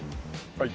はい。